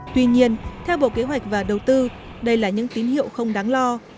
tuy nhiên theo bộ kế hoạch và đầu tư đây là những tín hiệu không đáng lo